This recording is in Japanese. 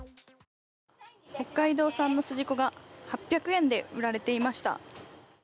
北海道産のすじこが８００円で売られていました。